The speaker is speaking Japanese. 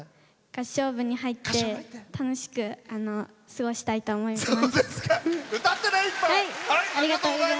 合唱部に入って楽しく過ごしたいと思ってます。